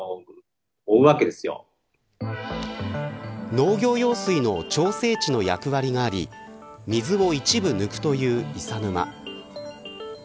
農業用水の調整池の役割があり水を一部抜くという伊佐沼。